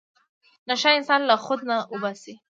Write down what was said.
نشه انسان له خود نه اوباسي.